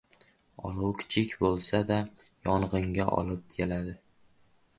olov kichik bo‘lsa-da, yong‘inga olib keladi.